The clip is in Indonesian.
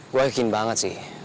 gue yakin banget sih